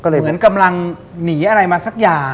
เหมือนกำลังหนีอะไรมาสักอย่าง